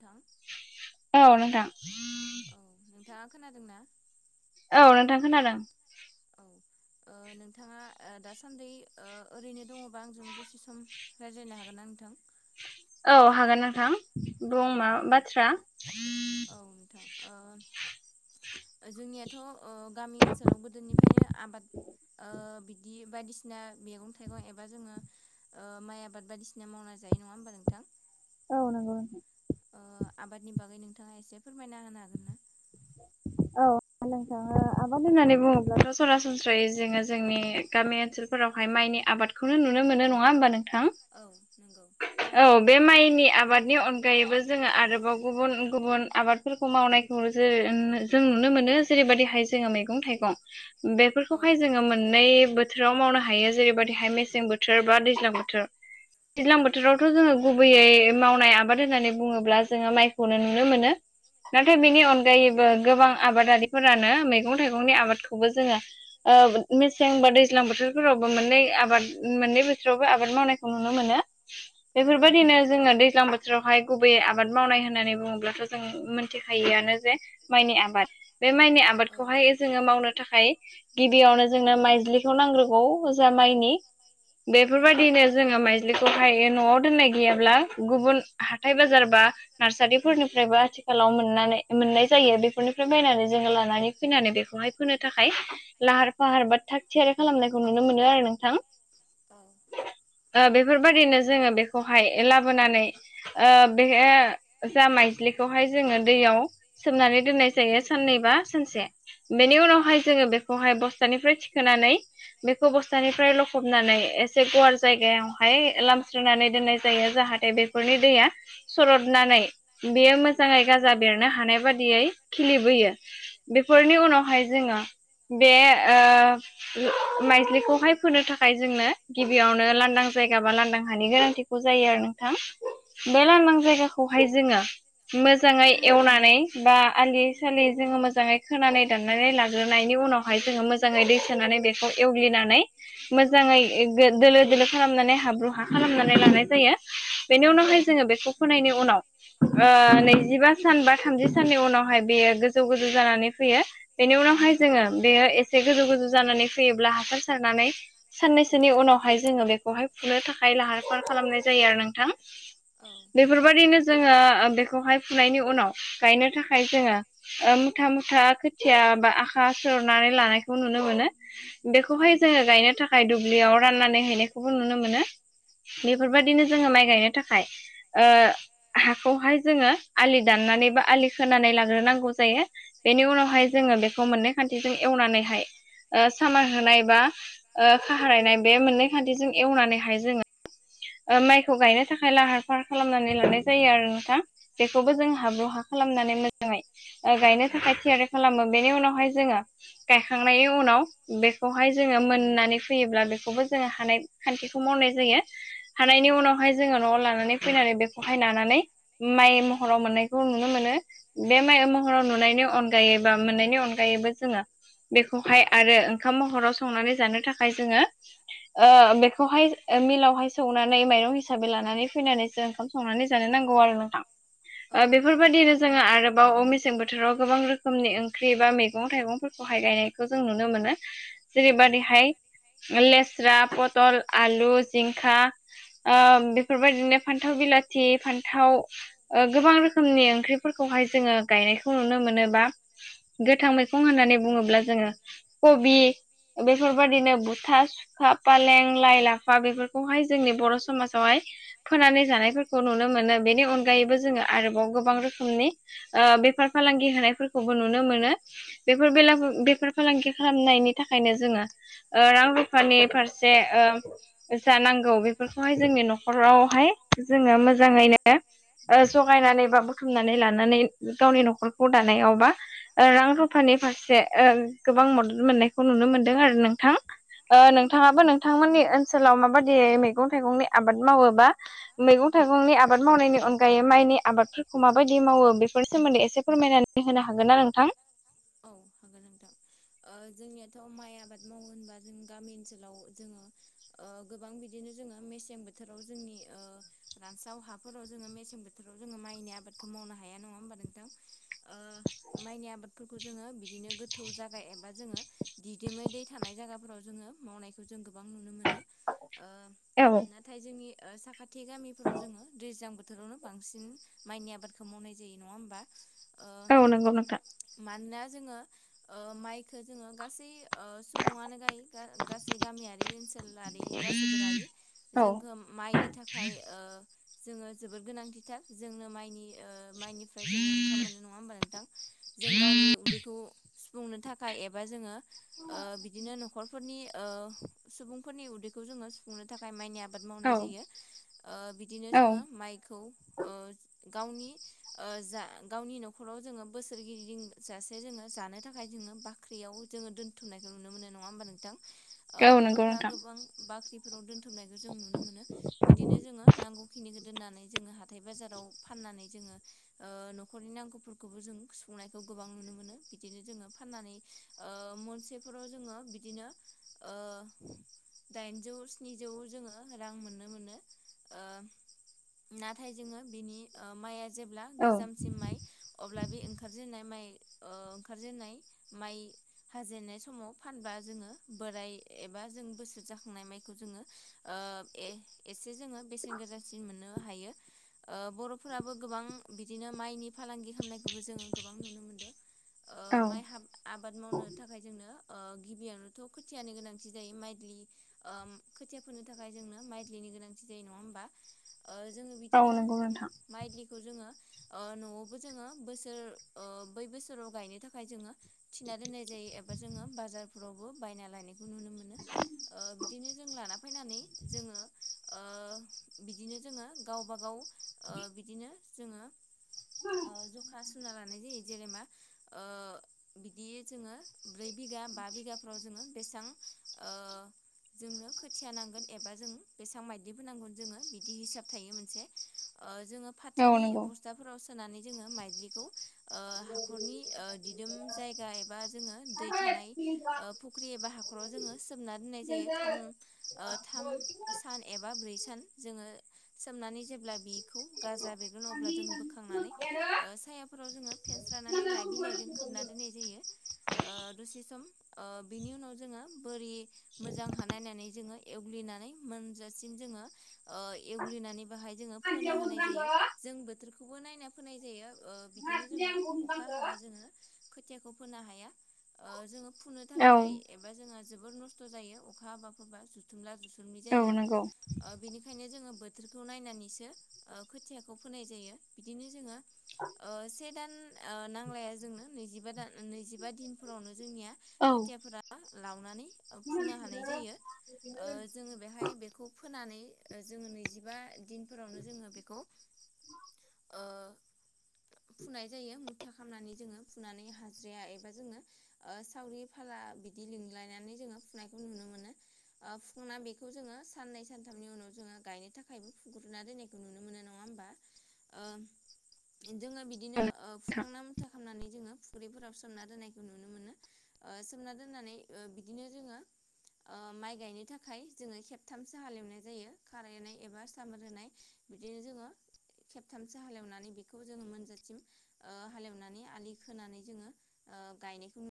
थां। औ नोंथां। औ नोंथाङा खोनादों ना? औ नोंथां खोनादों। औ ओ नोंथाङा ओ दासान्दि ओ ओरैनो दङ'बा आंजों दसे सम रायज्लायनो हागोन ना नोंथां? औ हागोन नोंथां बुं मा बाथ्रा? औ नोंथां। ओ जोंनियाथ' ओ गामि ओनसोलाव गोदोनिफ्रायनो आबाद ओ बिदि बायदिसिना मैगं थाइगं एबा जोङो ओ माइ आबाद बायदिसिना मावना जायो नङा होमबा नोंथां? औ नगौ। ओ आबादनि बागै नोंथाङा एसे फोरमायना होनो हागोन ना? [unintelligible] [inaudible] औ हागोन नोंथां आबाद होननानै बुङोब्लाथ' सरासनस्रायै जोङो जोंनि गामि ओनसोल फोरावहाय माइनि आबादखौनो नुनो मोनो नङा होमबा नों? औ नंगौ। औ बे माइनि आबादनि अनगायैबो जोङो आरोबाव गुबुन-गुबुन आबाद फोरखौ मावनायखौ जे जों नुनो मोनो जेरैबायदिहाय जोङो मैगं थाइगं बेफोरखौहाय जोङो मोननै बोथ थोराव मावनो हायो जेरैबायदिहाय मेसें बोथोर बा दैज्लां बोथोर दैज्लां बोथोराव थ' जोङो गुबैयै मावनाय आबाद होननानै बुङोब्ला जोङो माइखौनो नुनो मोनो। नाथाय बेनि अनगायैबो गोबां आबादारिफोरानो मैगं थाइगंनि आबादखौबो जोङो ओ मेसें बा दैज्लां बोथोरफोरावबो मोननै आबाद मोननै बोथोरावबो आबाद मावनायखौ नुनो मोनो। [unintelligible] [inaudible] बेफोरबायदिनो जोङो दैज्लां बोथ थोरावहाय गुबैयै आबाद मावनाय होननानै बुङोब्लाथ' जों मोनथिखायोआनो जे माइनि आबाद बे माइनि आबादखौहाय ए जोङो मावनो थाखाय गिबियावनो जोंनो माइज्लिखौ नांग्रोगौ। जा माइनि बेफोरबायदिनो जोङो माइज्लिखौहाय न'आव दोननाय गैयाब्ला गुबुन हाथाय बाजार बा नार्सारिफोरनिफ्रायबा आथिखालाव मोननानै मोन्नाय जायो बेफोरनिफ्राय बायनानै जोङो लानानै फैनानै बेखौहाय फोनो थाखाय लाहार फाहार बा थाग थियारि खालामनायखौ नुनो मोनो आरो नोंथां। औ ओ बेफोरबायदिनो जोङो बेखौहाय लाबोनानै ओ बे जा मायज्लिखौहाय जोङो दैयाव सोमनानै दोननाय जायो साननैबा सानसे। बेनि उनावहाय जोङो बेखौहाय बस्थानिफ्राय थिखोनानै बेखौ बस्थानिफ्राय लखबनानै एसे गुवार जायगायावहाय लामस्रोनानै दोननाय जायो जाहा थे बेफोरनि दैया सरदनानै बियो मोजाङै गाजा बेरनो हानाय बादियै खिलिबोयो बेफोरनि उनावहाय जोङो बे ओ माइज्लिखौहाय फोनो थाखाय जोंनो गिबियावनो लांदां जायगा बा लांदां हानि गोनांथि जायो आरो नोंथां बे लांदां जायगाखौहाय जोङो मोजाङै एवनानै बा आलि सालि जोङो मोजाङै खोनानै दाननानै लाग्रोनायनि उनावहाय जोङो मोजां। मोजाङै दै सोनानै बेखौ एवग्लिनानै मोजाङै दोलो दोलो खालामनानै हाब्रु हा खालामनानै लानाय जायो। बेनि उनावहाय जोङो बेखौ फोनायनि उनाव ओ नैजिबा सान बा थामजि साननि उनावहाय बेयो गोजौ गोजौ जानानै फैयो। बेनि उनावहाय जोङो बेयो एसे गोजौ गोजौ जानानै फैयोब्ला हासार सारनानै। साननैसोनि उनावहाय जोङो बेखौहाय फुनो थाखाय लाहार फाहार खालामनाय जायो आरो नोंथां। औ। बेफोरबायदिनो जोङो बेखौहाय फुनायनि उनाव गायनो थाखाय जोङो। मुथा मुथा खोथिया बा आखा सुरनानै लानायखौ नुनो मोनो। बेखौहाय जोङो गायनो थाखाय दुब्लियाव राननानै हैनायखौबो नुनो मोनो। बेफोरबायदिनो जोङो माइ गायनो थाखाय ओ हाखौहाय जोङो आलि दाननानै बा आलि खोनानै लाग्रोनांगौ जायो बेनि उनावहाय जोङो बेखौ मोननै खान्थिजों एवनानैहाय सामार होनाय बा ओ खाहरायनाय बे मोननै खान्थिजों एवनानैहाय जोङो। माइखौ गायनो थाखाय लाहार फाहार खालामनानै लानाय जायो आरो नोंथां। बेखौबो जों हाब्रु हा खालामनानै मोजाङै गायनो थाखाय थियारि खालामो। बेनि उनावहाय जोङो गायखांनायनि उनाव बेखौहाय जोङो मोननानै फैयोब्ला बेखौबो जोङो हानाय। खान्थिखौ मावनाय जायो। हानायनि उनावहाय जोङो न'आव लानानै फैनानै बेखौहाय नानानै माइ महराव मोननाय नुनो मोनो। बे माइ महराव नुनायनि अनगायै बा मोननायनि अनगायैबो जोङो। बेखौहाय आरो ओंखाम महराव संनानै जानो थाखाय जोङो। ओ बेखौहाय मिलावहाय सौनानै माइरं हिसाबै लानानै फैनानैसो ओंखाम संनानै जानो नांगौ आरो नोंथां। ओ बे बेफोरबायदिनो जोङो आरोबाव मेसें बोथोराव गोबां रोखोमनि ओंख्रि बा मैगं थाइगंफोरखौहाय गायनाय खौ जों नुनो मोनो जेरैबादिहाय लेस्रा, पटल, आलु, जिंखा ओ बेफोरबायदिनो फान्थाव बिलाथि फान्थाव ओ गोबां रोखोम खोमनि ओंख्रिफोरखौहाय जोङो गायनायखौ नुनो मोनोबा। गोथां मैगं होननानै बुङोब्ला जोङो कबि बेफोरबाददिनो बुथा खा फालें लाइ लाफा बेफोरखौहाय जोंनि बर' समाजावहाय फोनानै जानायफोरखौ नुनो मोनो बेनि अनगायैबो जोङो आरोबाव गोबां रोखोमनि ओ बेफार फालांगि होनायफोरखौबो नुनो मोनो। बेफोर बेलाफोर बेफोर फालांगि खालामनायनि थाखायनो जोङो ओ रां रुफानि फारसे ओ जानांगौ बेफोरखौहाय जोंनि न'खरावहाय जोङो मोजाङैनो ओ जगायनानै बा बुथुमनानै लानानै गावनि न'खरखौ दानायावबा ओ रां रुफानि फारसे ओ गोबां मदद मोननायखौ नुनो मोनदों आरो नोंथां। ओ नोंथाङाबो नोंथांमोननि ओनसोलाव माबाददि मैगं थाइगंनि आबाद मावोबा मैगं थाइगंनि आबाद मावनायनि अनगायै माइनि आबाद माबायदि मावो बेफोरनि सोमोन्दै एसे फोरमायनानै होनो हागोन ना नोंथां? औ हागोन नोंथां। ओ जोंनियाथ' माइ आबाद मावो होनबा जों गामि ओनसोलाव जोङो ओ गोबां बिदिनो जोङो मेसें बोथोराव जोंनि ओ रानस्राव हाफोराव जोङो मेसें बोथोराव जोङो माइनि आबादखौ मावनो हाया नङा होमबा नोंथां? ओ माइनि आबादफोरखौ जोङो बिदिनो गोथौ जागा एबा जोङो दिदोमै दै थानाय जायगाफोराव जोङो मावनायखौ जों गोबां नुनो मोनो ओ औ। नाथाय जोंनि ओ साखाथि गामिफोराव जोङो दैजां बो बोथोरावनो बांसिन माइनि आबादखौ मावनाय जायो नङा होमबा ओ [unintelligible] मानोना जोङो ओ माइखो जोङो गासै ओ सुबुङानो गायो। गा गासै गामियारि ओनसोलारि गासैबो गायो जोंखौ माइनि थाखाय ओ जोङो जोबोर गोनांथिथार जोंनो माइनि ओ माइनिफ्राय जोङो ओंखाम मोनो नङा होमबा नोंथां जों गावनि उदैखौ सु फुंनो थाखाय एबा जोङो ओ बिदिनो न'खर फोरनि ओ सुबुंफोरनि उदैखौ जोङो सुफुंनो थाखाय माइनि आबाद मावनाय जायो ओ बिदिनो जोङो माइखौ ओ गावनि ओ जा गावनि न'खराव जोङो बो सोरगिदिं जासे जोङो जानो थाखाय जोङो बाख्रियाव जोङो दोनथुमनायखौ नुनो मोनो नङा होमबा नोंथां? ओ बर'फ्रा गोबां बाख्रिफोराव दोन थुनायखौ जों नुनो मोनो बिदिनो जोङो नांगौखिनिखौ दोननानै जोङो हा थाय बाजाराव फाननानै जोङो ओ न'खरनि नांगौफोरखौबो जों सुफुंनायखौ गोबां नुनो मोनो बिदिनो जोङो फाननानै ओ मनसेफोराव जोङो बिदिनो ओ दाइनजौ स्निजौ जोङो रां मोननो मोनो। ओ नाथाय जोङो बिनि ओ माइआ जेब्ला गोजामसिम माइ अब्ला बे ओं खारजेननाय माइ ओ ओंखारजेनाय माइ हाजेननाय समाव फानबा जोङो बोराय एबा जों बोसोर जाखांनाय माइखौ जोङो ओ ए एसे जोङो बेसेन गोसासिन मोननो हायो। ओ बर'फोराबो गोबां बिदिनो माइनि फालांगि खालामनायखौबो जोङो गोबां नुनो मोनदों। माइ हाब आबाद मावनो थाखाय जोंनो ओ गिबियावनोथ' खोथियानि गोनांथि जायो माइदलि ओ खोथिया फोनो थाखाय जोंनो माइलिनि गोनांथि जायो नङा होमबा? ओ जोङो बिदिनो माइलिखौ जोङो ओ न'आवबो जोङो बोसोर ओ बै बोसोराव गायनो थाखाय जोङो थिना दोननाय जायो एबा जोङो बाजारफोरावबो बायना लायानाय खौ नुनो मोनो ओ बिदिनो जों लाना फैनानै जोङो ओ बिदिनो जोङो गावबा गाव ओ बिदिनो जोङो ओ जखा सुना लानाय जायो जेनेबा ओ बिदि जोङो ब्रै बिगा बा बिगाफ्राव जोङो बेसेबां ओ जोंनो खोथिया नांगोन एबा जों बेसेबां मायलि नांगोन जोङो बिदि हिसाब थायो मोनसे जोङो फाथोनि बस्थाफोराव सोनानै जोङो माइदि्लिखौ ओ हाखरनि ओ दिदोम जायगा एबा जोङो दै थानाय ओ फुख्रि एबा हाखराव जोङो सोमना दोननाय जायो थाम ओ थाम सान एबा ब्रै सान जोङो सोमनानै जेब्ला बि खौ गाजा बेग्रोन अब्ला जोङो बोखांनानै सायाफोराव जोङो फेन्स्रानानै लाइ बिलाइजों खोबनानै दसे सम बिनि उनाव जोङो बोरि मोजांहा नायनानै जोङो एवग्लिनानै मोनजासिम जोङो ओ एवग्लिनानै बाहाय जोङो फोना होनाय जायो जों बोथोरखौबो नायना फोनाय जायो ओ बिदिनो जोङो ओ खोथायाखौ फोनो हाया जोङो फुनो थाखाय बिदिब्ला जाें जाेबाेद नस्नथ जायो अखाफोर हाबाय बायबा जुथुमला जुथुमलि जायो बिनिखायनो ओ ओंखायनो जोङो बोथोरखौ नायनानैसो ओ खोथियाखौ फोनाय जायो बिदिनो जोङो से दान नांलाया जोंनो नैजिबा दान नैजिबा दिनफोरावनो जोंनिया खोथियाफोरा लावनानै फुननो हानाय जायो ओ जोङो बेहाय बेखौ फोनानै जोङो नैजिबा दिनफोरावनो जोङो बेखौ। ओ फुनाय। फुनाय जायो मुथा खामनानै जोङो फुनानै हाज्रिया एबा जोङो। ओ सावरि फाला बिदि लिंलायनानै जोङो फुनायखौ नुनो मोनो। ओ फुुखांना बेखौ जोङो साननै सानथामनि उनाव जोङो गायनो थाखायबो फुग्रोना दोननाय। नुनो मोनो नङा होमबा ओ जोङो बिदिनो। ओ फुखांना मुथा खालामनानै जोङो। फुखुरैफोराव सोमना दोन्नायखौ नुनो मोनो ओ सोमना दोननानै ओ बिदिनो जोङो। ओ माइ गायनो थाखाय जोङो खेबथामसो हालेवनाय जायो खारायनाय एबा सामार होनाय। बिदिनो जोङो खेबथामसो हालेवनानै बेखौ जोङो मोनजासिम। ओ हालेवनानै आलि खोनानै जोङो ओ गायनायखौ नु